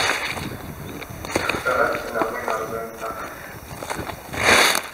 Xseɣ ad ssneɣ wi rẓin taqqet.